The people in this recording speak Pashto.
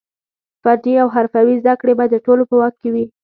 فني او حرفوي زده کړې به د ټولو په واک کې وي.